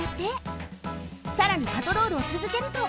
さらにパトロールをつづけると。